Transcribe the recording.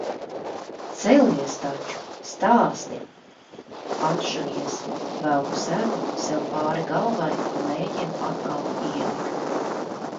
Celies taču! Stāsti! Atšujies, velku segu sev pāri galvai un mēģinu atkal iemigt.